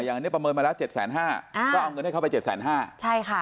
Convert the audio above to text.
อย่างนี้ประเมินมาแล้ว๗๕๐๐๐๐บาทก็เอาเงินให้เข้าไป๗๕๐๐๐๐บาท